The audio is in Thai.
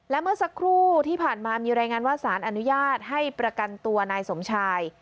และเมื่อสักครู่ที่ผ่านมามีรายงานว่าสารอนุญาตให้ประกันตัวนายสมชาย